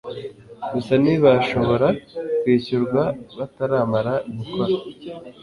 gusa ntibashobora kwishyurwa bataramara gukora